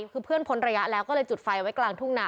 คือเพื่อนพ้นระยะแล้วก็เลยจุดไฟไว้กลางทุ่งนา